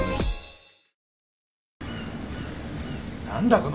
何だ？